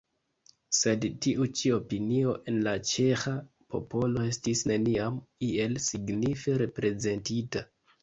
Sed tiu ĉi opinio en la ĉeĥa popolo estis neniam iel signife reprezentita.